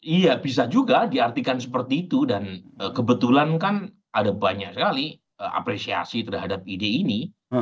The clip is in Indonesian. iya bisa juga diartikan seperti itu dan kebetulan kan ada banyak sekali apresiasi terhadap ide ini